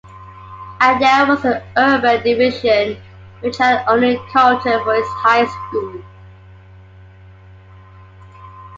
And there was the urban division which had only Carlton for its high school.